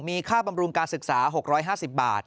มีค่าบำรุงการศึกษา๖๕๐บาท